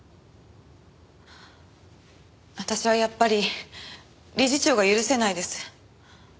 私はやっぱり理事長が許せないです。